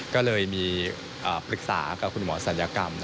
ก็เลยมีปรึกษากับคุณหมอศัลยกรรม